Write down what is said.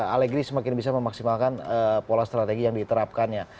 allegri semakin bisa memaksimalkan pola strategi yang diterapkannya